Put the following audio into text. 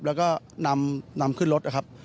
แล้วก็นำขึ้นรถนะครับ